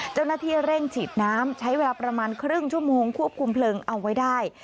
เจ้าหน้าที่เร่งฉีดน้ำใช้เวลาประมาณครึ่งชั่วโมงควบคุมเพลิงเอาไว้ได้